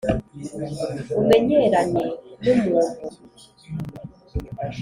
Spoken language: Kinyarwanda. umenyeranye n’umuntu,